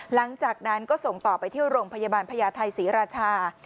หลังจากนั้นก็ส่งต่อไปที่โรงพยาบาลพญาไทยศรีราชา